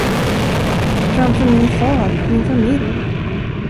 Framför min far, min familj?